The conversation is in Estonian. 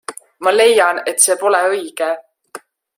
Ma leian, et see pole õige.